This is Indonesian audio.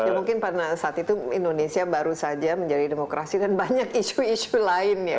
ya mungkin pada saat itu indonesia baru saja menjadi demokrasi dan banyak isu isu lain ya